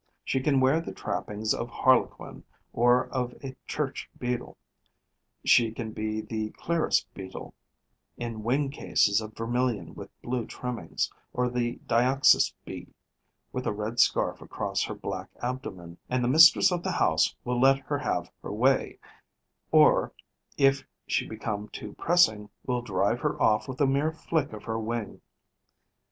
She can wear the trappings of Harlequin or of a church beadle; she can be the Clerus beetle, in wing cases of vermilion with blue trimmings, or the Dioxys bee, with a red scarf across her black abdomen, and the mistress of the house will let her have her way, or, if she become too pressing, will drive her off with a mere flick of her wing.